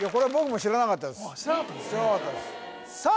知らなかったですさあ